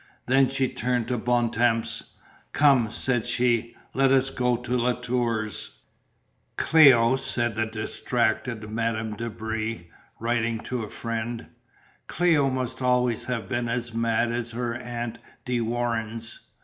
Then she turned to Bontemps. "Come," said she, "let us go to Latour's." "Cléo," said the distracted Madame de Brie, writing to a friend, "Cléo must always have been as mad as her aunt De Warens.